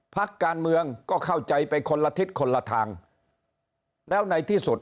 พักการเมืองก็เข้าใจไปคนละทิศคนละทางแล้วในที่สุด